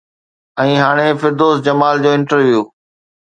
۽ هاڻي فردوس جمال جو انٽرويو